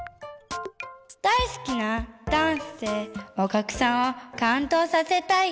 だいすきなダンスでおきゃくさんをかんどうさせたい！